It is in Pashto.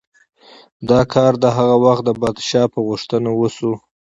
دا کار د هغه وخت د پادشاه په غوښتنه وشو.